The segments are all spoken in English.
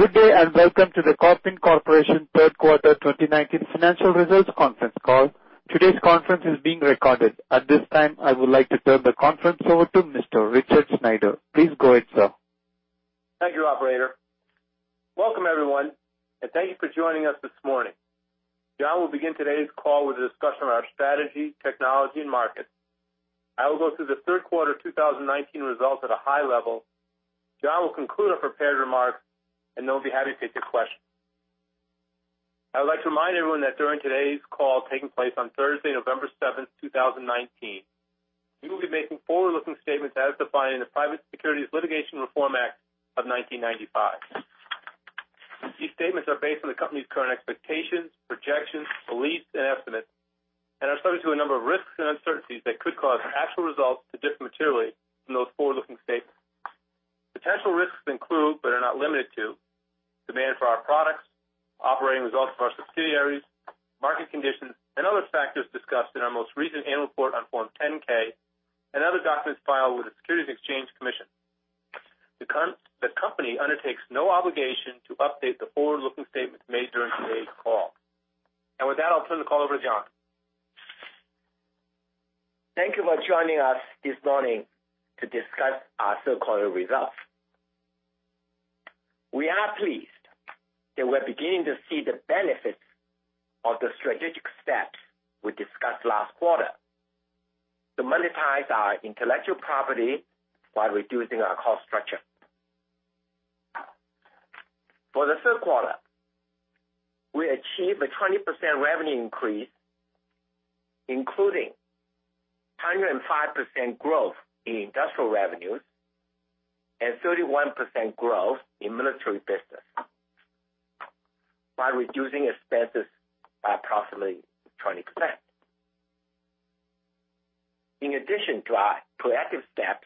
Good day. Welcome to the Kopin Corporation third quarter 2019 financial results conference call. Today's conference is being recorded. At this time, I would like to turn the conference over to Mr. Richard Sneider. Please go ahead, sir. Thank you, operator. Welcome everyone, and thank you for joining us this morning. John will begin today's call with a discussion on our strategy, technology, and market. I will go through the third quarter of 2019 results at a high level. John will conclude our prepared remarks, and then we'll be happy to take your questions. I would like to remind everyone that during today's call, taking place on Thursday, November 7th, 2019, we will be making forward-looking statements as defined in the Private Securities Litigation Reform Act of 1995. These statements are based on the company's current expectations, projections, beliefs, and estimates, and are subject to a number of risks and uncertainties that could cause actual results to differ materially from those forward-looking statements. Potential risks include, but are not limited to, demand for our products, operating results of our subsidiaries, market conditions, and other factors discussed in our most recent annual report on Form 10-K and other documents filed with the Securities and Exchange Commission. The company undertakes no obligation to update the forward-looking statements made during today's call. With that, I'll turn the call over to John. Thank you for joining us this morning to discuss our third quarter results. We are pleased that we're beginning to see the benefits of the strategic steps we discussed last quarter to monetize our intellectual property while reducing our cost structure. For the third quarter, we achieved a 20% revenue increase, including 105% growth in industrial revenues and 31% growth in military business, by reducing expenses by approximately 20%. In addition to our proactive steps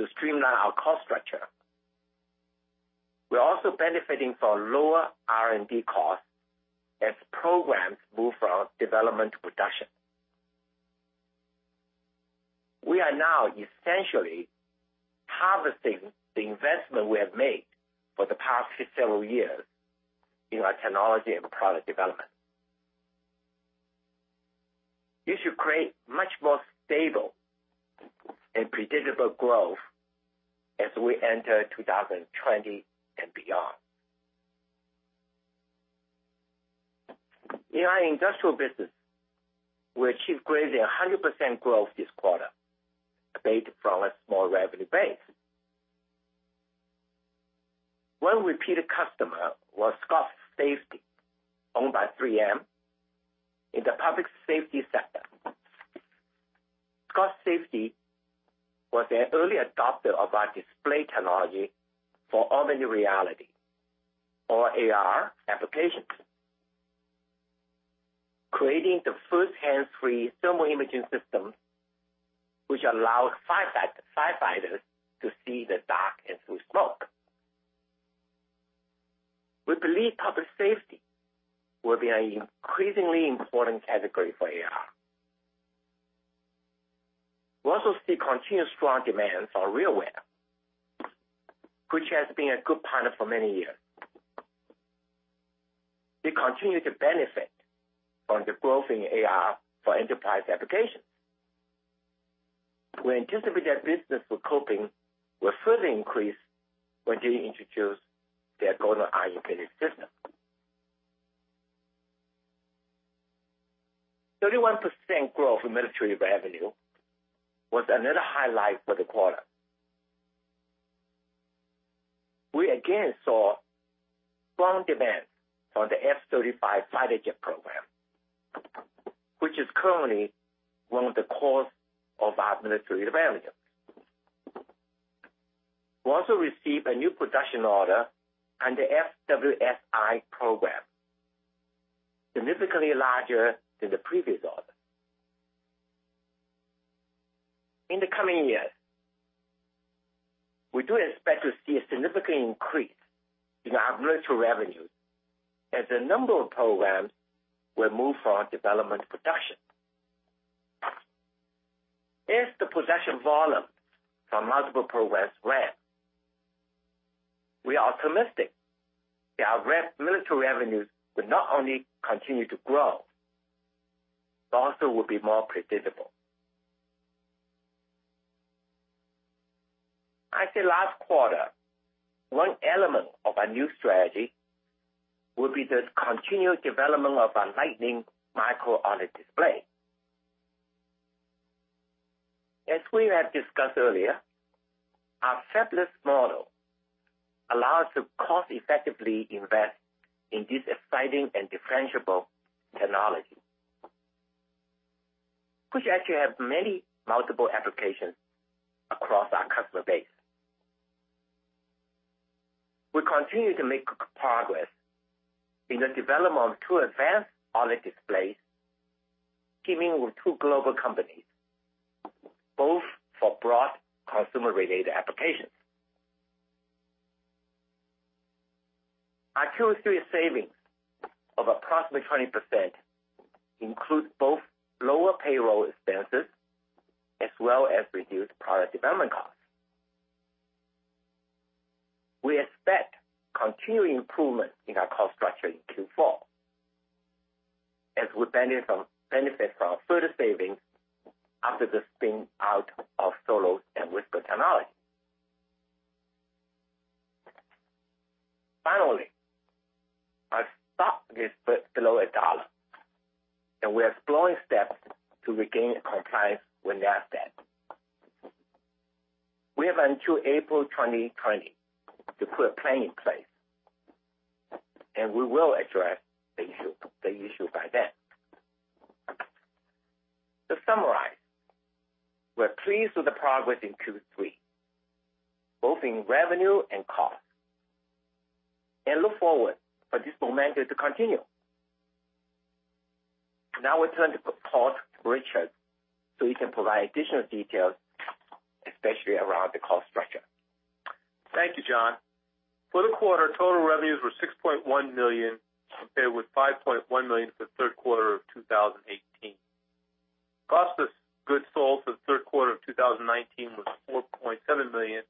to streamline our cost structure, we are also benefiting from lower R&D costs as programs move from development to production. We are now essentially harvesting the investment we have made for the past several years in our technology and product development. This should create much more stable and predictable growth as we enter 2020 and beyond. In our industrial business, we achieved greater than 100% growth this quarter, a base from a small revenue base. One repeated customer was Scott Safety, owned by 3M in the public safety sector. Scott Safety was an early adopter of our display technology for augmented reality or AR applications, creating the first hands-free thermal imaging system, which allows firefighters to see the dark and through smoke. We believe public safety will be an increasingly important category for AR. We also see continuous strong demand for RealWear, which has been a good partner for many years. They continue to benefit from the growth in AR for enterprise applications. We anticipate that business for Kopin will further increase when they introduce their Golden-i embedded system. 31% growth in military revenue was another highlight for the quarter. We again saw strong demand for the F-35 fighter jet program, which is currently one of the cores of our military revenue. We also received a new production order under the FWS-I program, significantly larger than the previous order. In the coming years, we do expect to see a significant increase in our military revenue as a number of programs will move from development to production. As the production volume from multiple programs ramp, we are optimistic that our military revenues will not only continue to grow, but also will be more predictable. I said last quarter, one element of our new strategy will be the continued development of our Lightning micro-OLED display. As we have discussed earlier, our fabless model allows to cost effectively invest in this exciting and differentiable technology, which actually have many multiple applications across our customer base. We continue to make progress in the development of two advanced OLED display, teaming with two global companies, both for broad consumer-related applications. Our Q3 savings of approximately 20% includes both lower payroll expenses as well as reduced product development costs. We expect continued improvement in our cost structure in Q4 as we benefit from further savings after the spin out of Solos and Whisper Technology. Finally, our stock is below $1, and we are exploring steps to regain compliance with NASDAQ. We have until April 2020 to put a plan in place, and we will address the issue by then. To summarize, we're pleased with the progress in Q3, both in revenue and cost, and look forward for this momentum to continue. Now it's time to pause to Richard so he can provide additional details, especially around the cost structure. Thank you, John. For the quarter, total revenues were $6.1 million, compared with $5.1 million for the third quarter of 2018. Cost of goods sold for the third quarter of 2019 was $4.7 million,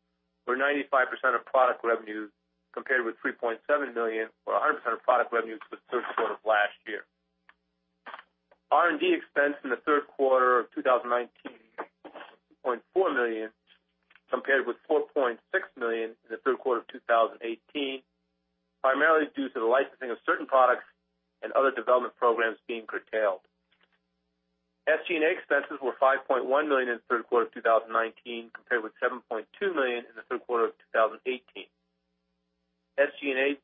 or 95% of product revenues, compared with $3.7 million or 100% of product revenues for the third quarter of last year. R&D expense in the third quarter of 2019, $0.4 million, compared with $4.6 million in the third quarter of 2018, primarily due to the licensing of certain products and other development programs being curtailed. SG&A expenses were $5.1 million in the third quarter of 2019, compared with $7.2 million in the third quarter of 2018. SG&A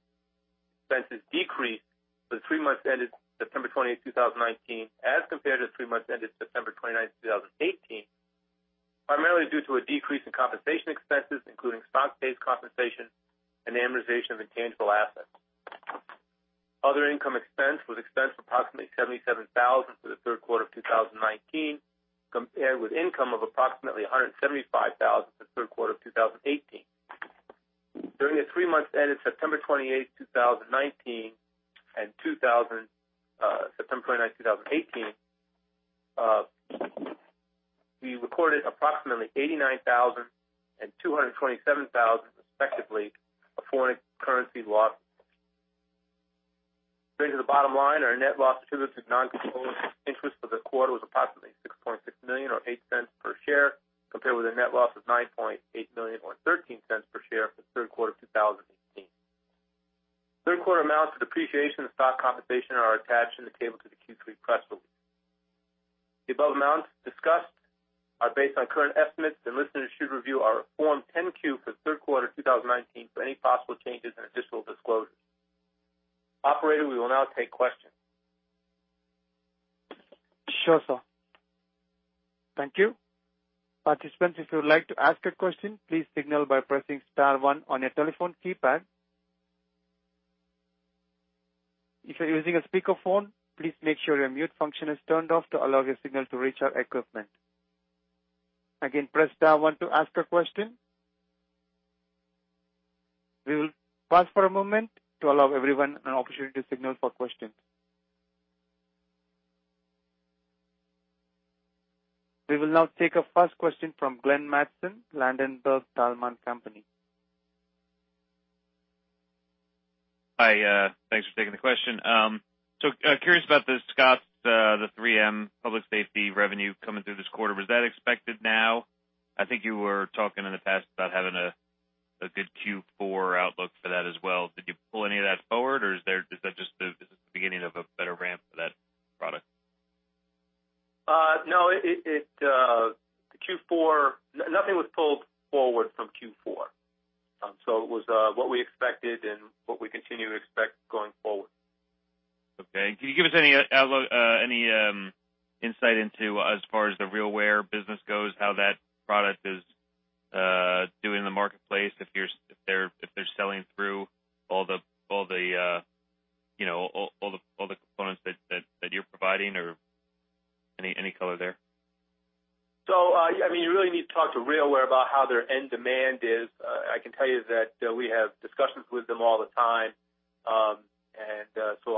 expenses decreased for the three months ended September 20, 2019, as compared to the three months ended September 29, 2018, primarily due to a decrease in compensation expenses, including stock-based compensation and amortization of intangible assets. Other income expense was expense approximately $77,000 for the third quarter of 2019, compared with income of approximately $175,000 for the third quarter of 2018. During the three months ended September 28, 2019 and September 29, 2018, we recorded approximately $89,000 and $227,000, respectively, of foreign currency loss. Getting to the bottom line, our net loss attributable to non-controlling interest for the quarter was approximately $6.6 million, or $0.08 per share, compared with a net loss of $9.8 million or $0.13 per share for the third quarter of 2018. Third quarter amounts of depreciation and stock compensation are attached in the table to the Q3 press release. The above amounts discussed are based on current estimates, and listeners should review our Form 10-Q for the third quarter 2019 for any possible changes and additional disclosures. Operator, we will now take questions. Sure, sir. Thank you. Participants, if you would like to ask a question, please signal by pressing star one on your telephone keypad. If you're using a speakerphone, please make sure your mute function is turned off to allow your signal to reach our equipment. Again, press star one to ask a question. We will pause for a moment to allow everyone an opportunity to signal for questions. We will now take our first question from Glenn Mattson, Ladenburg Thalmann company. Hi. Thanks for taking the question. Curious about the Scott Safety, the 3M public safety revenue coming through this quarter. Was that expected now? I think you were talking in the past about having a good Q4 outlook for that as well. Did you pull any of that forward, or is that just the beginning of a better ramp for that product? No. Nothing was pulled forward from Q4. It was what we expected and what we continue to expect going forward. Okay. Can you give us any insight into, as far as the RealWear business goes, how that product is doing in the marketplace, if they're selling through all the components that you're providing or any color there? You really need to talk to RealWear about how their end demand is. I can tell you that we have discussions with them all the time.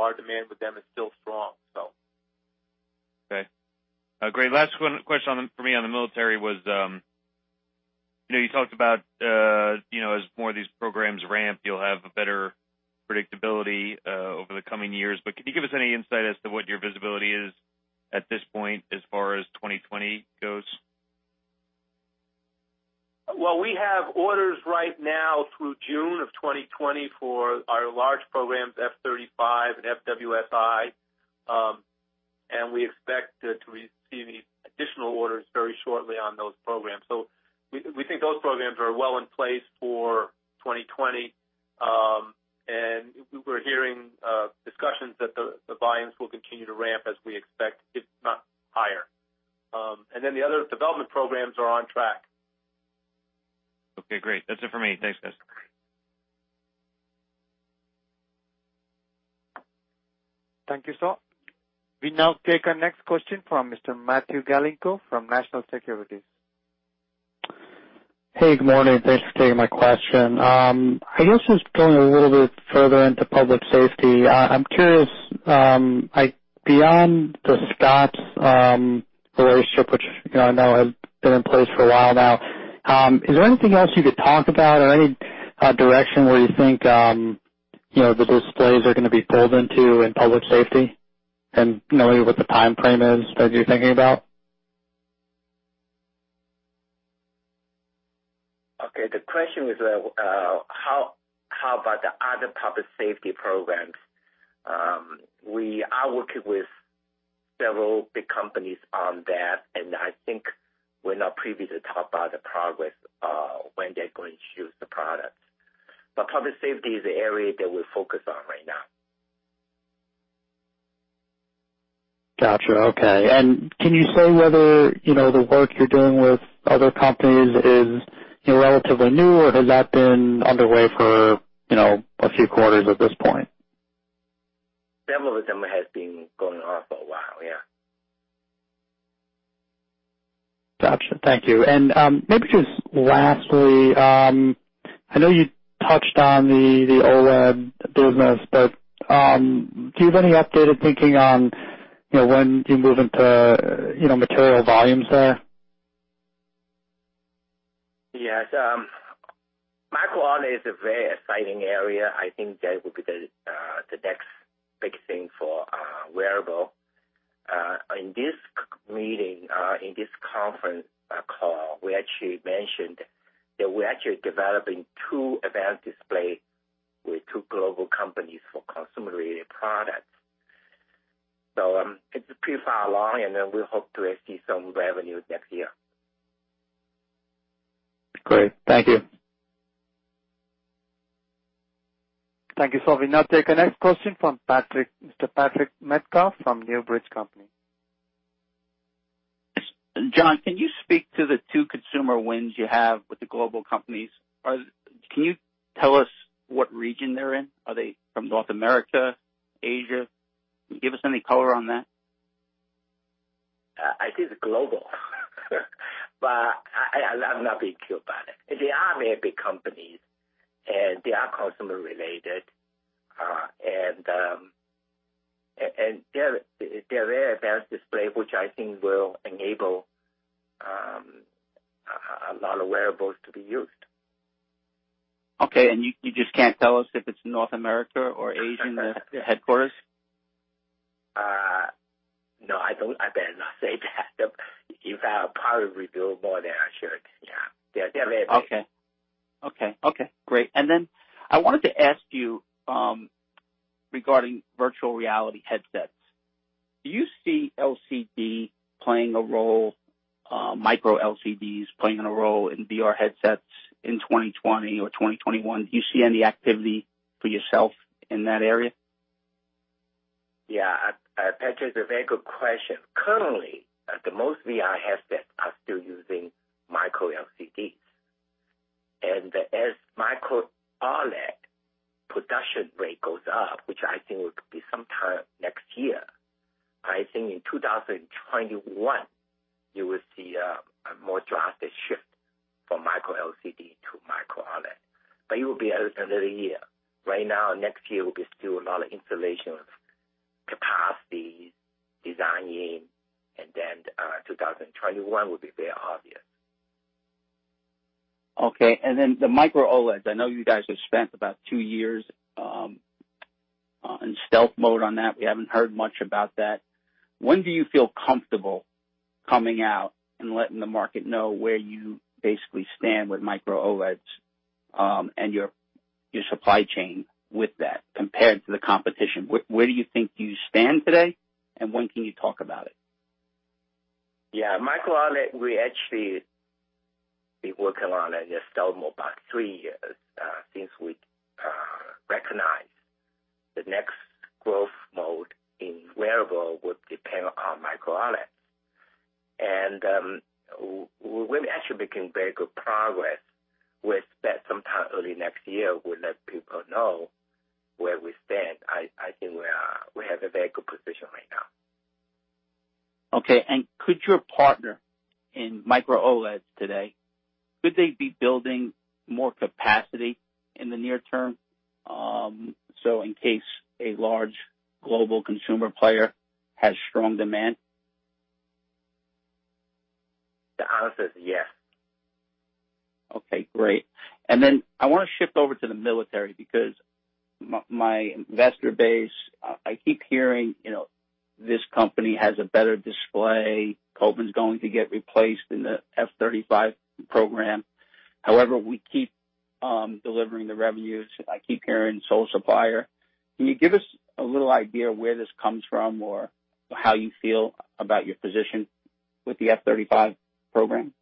Our demand with them is still strong. Okay. Great. Last question for me on the military was, you talked about as more of these programs ramp, you'll have a better predictability over the coming years. Could you give us any insight as to what your visibility is at this point as far as 2020 goes? We have orders right now through June of 2020 for our large programs, F-35 and FWS-I. We expect to receive additional orders very shortly on those programs. We think those programs are well in place for 2020. We're hearing discussions that the volumes will continue to ramp as we expect, if not higher. The other development programs are on track. Okay, great. That's it for me. Thanks, guys. Thank you, sir. We now take our next question from Mr. Matthew Galinko from National Securities. Hey, good morning. Thanks for taking my question. I guess just going a little bit further into public safety. I'm curious, beyond the Scott relationship, which I know has been in place for a while now, is there anything else you could talk about or any direction where you think the displays are going to be pulled into in public safety? And maybe what the timeframe is that you're thinking about? Okay, the question is how about the other public safety programs? We are working with several big companies on that. I think we're not privy to talk about the progress, when they're going to choose the products. Public safety is the area that we're focused on right now. Got you. Okay. Can you say whether the work you're doing with other companies is relatively new, or has that been underway for a few quarters at this point? Some of them have been going on for a while, yeah. Got you. Thank you. Maybe just lastly, I know you touched on the OLED business, but do you have any updated thinking on when you move into material volumes there? Yes. Micro-OLED is a very exciting area. I think that will be the next big thing for wearable. In this meeting, in this conference call, we actually mentioned that we're actually developing two advanced display with two global companies for consumer-related products. It's pretty far along, and then we hope to see some revenue next year. Great. Thank you. Thank you, sir. We take the next question from Mr. Patrick Medcalf from Newbridge Company. John, can you speak to the two consumer wins you have with the global companies? Can you tell us what region they're in? Are they from North America, Asia? Can you give us any color on that? I say they're global, but I'm not being cute about it. They are very big companies, and they are customer related. They're very advanced display, which I think will enable a lot of wearables to be used. Okay, you just can't tell us if it's North America or Asian, the headquarters? No, I better not say that. You have probably revealed more than I should. Yeah. They're very big. Okay. Great. I wanted to ask you regarding virtual reality headsets. Do you see LCD playing a role, micro LCDs playing a role in VR headsets in 2020 or 2021? Do you see any activity for yourself in that area? Yeah. Patrick, it's a very good question. Currently, the most VR headsets are still using micro LCDs. As micro-OLED production rate goes up, which I think will be sometime next year, I think in 2021, you will see a more drastic shift from micro LCD to micro-OLED. It will be another year. Right now, next year will be still a lot of installation of capacities, designing, and then 2021 will be very obvious. Okay. Then the micro-OLEDs. I know you guys have spent about two years in stealth mode on that. We haven't heard much about that. When do you feel comfortable coming out and letting the market know where you basically stand with micro-OLEDs, and your supply chain with that, compared to the competition? Where do you think you stand today, when can you talk about it? Yeah. micro-OLED, we actually been working on it in stealth mode about three years, since we recognized the next growth mode in wearable would depend on micro-OLEDs. We've actually making very good progress with that. Sometime early next year, we'll let people know where we stand. I think we have a very good position right now. Okay. Could your partner in micro-OLEDs today, could they be building more capacity in the near term, so in case a large global consumer player has strong demand? The answer is yes. Okay, great. Then I want to shift over to the military, because my investor base, I keep hearing, this company has a better display. Kopin's going to get replaced in the F-35 program. However, we keep delivering the revenues. I keep hearing sole supplier. Can you give us a little idea where this comes from or how you feel about your position with the F-35 program?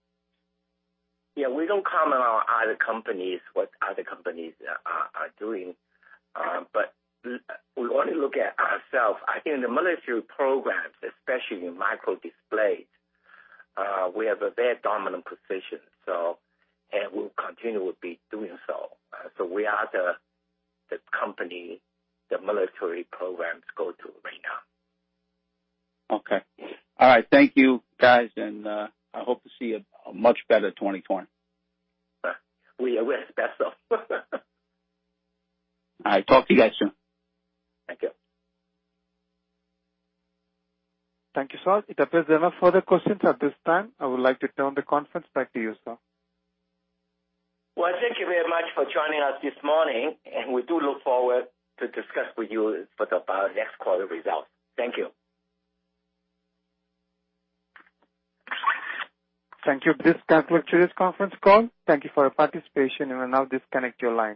Yeah. We don't comment on other companies, what other companies are doing. We only look at ourselves. I think in the military programs, especially in microdisplays, we have a very dominant position. We'll continue with be doing so. We are the company the military programs go to right now. Okay. All right. Thank you, guys, and I hope to see a much better 2020. We hope so. All right. Talk to you guys soon. Thank you. Thank you, sir. It appears there are no further questions at this time. I would like to turn the conference back to you, sir. Well, thank you very much for joining us this morning, and we do look forward to discuss with you about our next quarter results. Thank you. Thank you. This concludes today's conference call. Thank you for your participation. You will now disconnect your lines.